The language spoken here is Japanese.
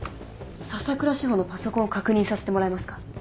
笹倉志帆のパソコンを確認させてもらえますか？